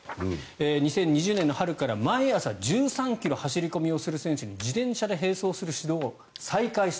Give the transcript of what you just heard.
２０２０年の春から毎朝１３ｋｍ走り込みをする選手に自転車で並走する指導を再開した。